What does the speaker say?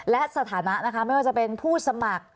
และสถานะนะคะไม่ว่าจะเป็นผู้สมัคร